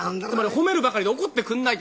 褒めるばかりで怒ってくんない。